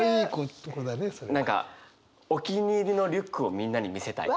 何かお気に入りのリュックをみんなに見せたい。